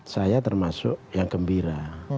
saya termasuk yang gembira